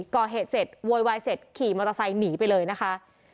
ก่อเหตุเสร็จโวยวายเสร็จขี่มอเตอร์ไซค์หนีไปเลยนะคะ